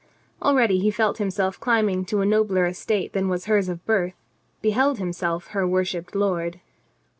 Already he felt himself climbing to a nobler estate than was hers of birth, beheld himself her worshipped lord.